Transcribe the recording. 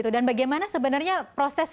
dan bagaimana sebenarnya proses